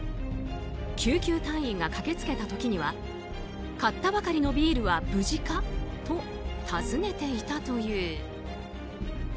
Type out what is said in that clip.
救急隊員が駆けつけた時には買ったばかりのビールは無事かと尋ねていたという。